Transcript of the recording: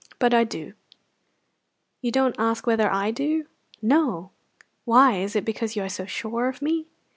But I do!" "You don't ask whether I do!" "No." "Why? Is it because you are so sure of me?"